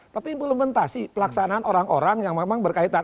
tapi implementasi pelaksanaan orang orang yang memang berkaitan